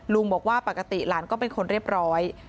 ลุงบอกว่าปกติหลานก็เป็นคนเรียบร้อย